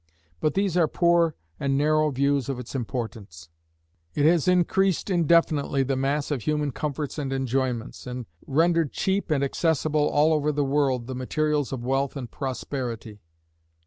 But these are poor and narrow views of its importance. It has increased indefinitely the mass of human comforts and enjoyments, and rendered cheap and accessible, all over the world, the materials of wealth and prosperity.